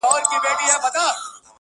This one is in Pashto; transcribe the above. • د وخت ناخوالي كاږم.